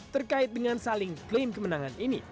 terkait dengan saling klaim kemenangan ini